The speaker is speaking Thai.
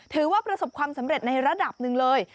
ถือว่าประสบความสำเร็จในระดับหนึ่งเลย